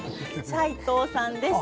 齋藤さんです。